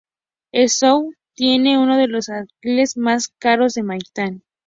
El Solow tiene uno de los alquileres más caros de Manhattan.